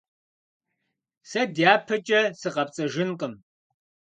Сэ дяпэкӀэ сыкъэпцӀэжынкъым.